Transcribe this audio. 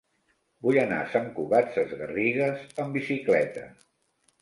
Vull anar a Sant Cugat Sesgarrigues amb bicicleta.